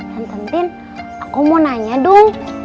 tenten tin aku mau nanya dong